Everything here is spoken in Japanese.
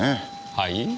はい？